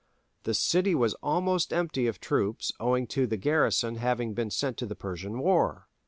The city was almost empty of troops, owing to the garrison having been sent to the Persian War.